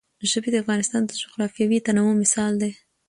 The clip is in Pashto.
ژبې د افغانستان د جغرافیوي تنوع مثال دی.